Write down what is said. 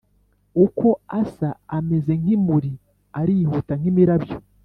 Uko asa ameze nk’imuri, arihuta nk’imirabyo.